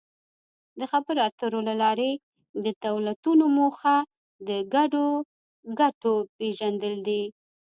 د خبرو اترو له لارې د دولتونو موخه د ګډو ګټو پېژندل دي